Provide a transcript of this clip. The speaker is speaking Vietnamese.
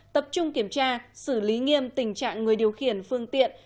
tập trung kiểm tra xử lý nghiêm tình trạng người điều khiển phương tiện